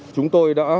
chúng tôi đã